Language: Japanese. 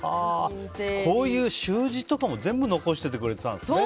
こういう習字とかも全部残しててくれたんですね。